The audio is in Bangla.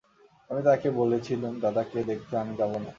আমি তাঁকে বলেছিলুম, দাদাকে দেখতে আমি যাব না।